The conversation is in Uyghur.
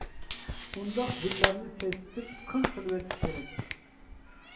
ئۇنداق گۈللەرنى سېسىتىپ قىغ قىلىۋېتىش كېرەك.